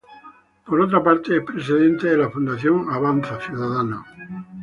Por otra parte, es Presidente de la fundación Avanza Ciudadano.